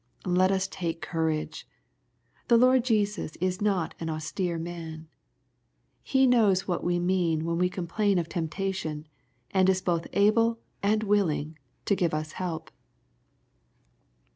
Let us take courage. The Lord Jesus is not an ^^austere man.'' He knows what we mean when we complain of tem^ tation, and is both able and willing to give us help.